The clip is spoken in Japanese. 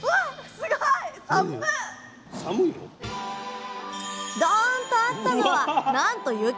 すごいどんとあったのはなんと雪。